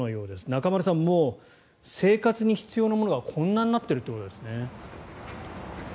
中丸さん、生活に必要なものがこんなになっているということですね。